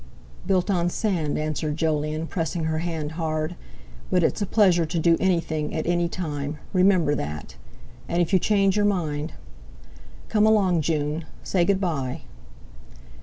"Built on sand," answered Jolyon, pressing her hand hard; "but it's a pleasure to do anything, at any time, remember that. And if you change your mind...! Come along, June; say good bye."